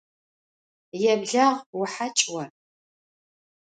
Еблагъ, ухьакl о